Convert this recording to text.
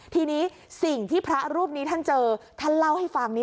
ทีนี้สิ่งที่พระรูปนี้ท่านเจอท่านเล่าให้ฟัง